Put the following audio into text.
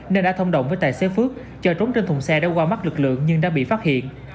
nên đã thông động với tài xế phước chờ trốn trên thùng xe đã qua mắt lực lượng nhưng đã bị phát hiện